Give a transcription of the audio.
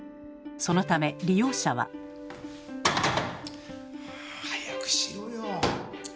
そのため利用者は。早くしろよ！